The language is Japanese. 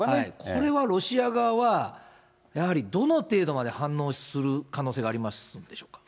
これはロシア側は、やはりどの程度まで反応する可能性がありますでしょうか。